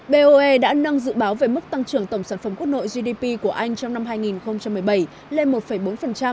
boe đã nâng dự báo về mức tăng trưởng tổng sản phẩm quốc nội gdp của anh trong năm hai nghìn một mươi bảy lên một bốn